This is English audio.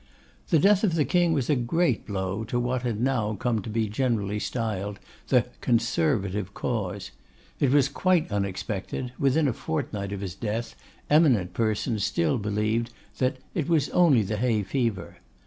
The death of the King was a great blow to what had now come to be generally styled the 'Conservative Cause.' It was quite unexpected; within a fortnight of his death, eminent persons still believed that 'it was only the hay fever.